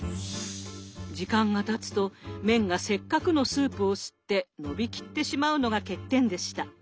時間がたつと麺がせっかくのスープを吸って伸びきってしまうのが欠点でした。